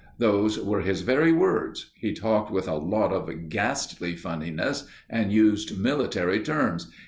Those were his very words. He talked with a sort of ghastly funniness and used military terms.